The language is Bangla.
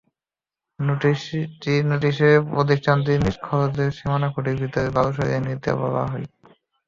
নোটিশে প্রতিষ্ঠানটিকে নিজ খরচে সীমানাখুঁটির ভেতরের বালু সরিয়ে নিতে বলা হয়।